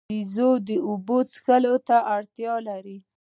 بیزو د اوبو څښلو ته اړتیا لري.